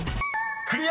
［クリア！］